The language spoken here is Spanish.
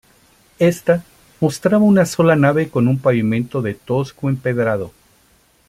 Ésta mostraba una sola nave con un pavimento de tosco empedrado.